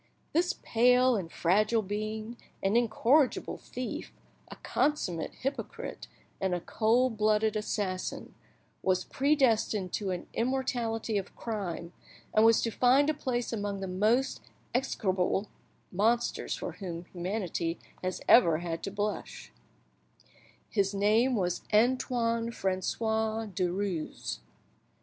This pale and fragile being, an incorrigible thief, a consummate hypocrite, and a cold blooded assassin, was predestined to an immortality of crime, and was to find a place among the most execrable monsters for whom humanity has ever had to blush; his name was Antoine Francois Derues.